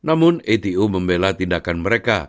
namun ato membela tindakan mereka